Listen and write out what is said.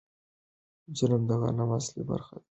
جرم د غنم اصلي برخه ده او پروټین لري.